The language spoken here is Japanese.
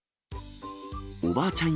おばあちゃん